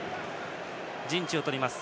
陣地を取ります。